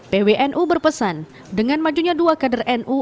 pwnu berpesan dengan majunya dua kader nu